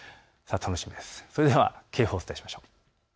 それでは警報、お伝えしましょう。